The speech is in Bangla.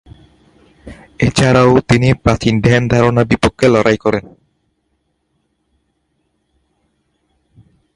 এছাড়াও তিনি প্রাচীন ধ্যান-ধারণার বিপক্ষে তিনি লড়াই করেন।